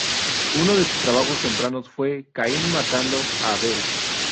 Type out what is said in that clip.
Uno de sus trabajos tempranos fue "Caín matando a Abel".